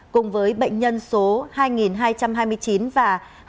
cùng với bệnh nhân số hai nghìn hai trăm hai mươi chín và hai nghìn hai trăm ba mươi bốn